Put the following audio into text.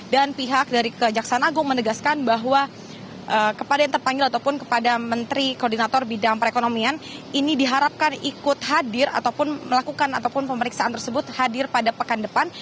dan pihak dari kejaksaan agung menegaskan bahwa kepada yang terpanggil ataupun kepada menteri koordinator bidang perekonomian ini diharapkan ikut hadir ataupun melakukan ataupun pemeriksaan tersebut hadir pada pekan depan